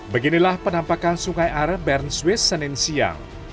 beginilah penampakan sungai are bern swiss senin siang